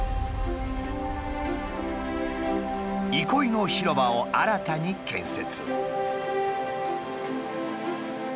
憩いの広場を新たに建設。